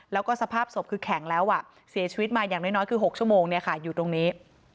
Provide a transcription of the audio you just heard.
แล้วก็สภาพศพคือแข็งแล้วเสียชีวิตมาอย่างน้อยคือ๖ชั่วโมงอยู่ตรงนี้